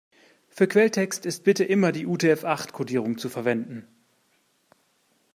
Für Quelltext ist bitte immer die UTF-acht-Kodierung zu verwenden.